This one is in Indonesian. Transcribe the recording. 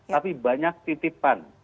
tapi banyak titipan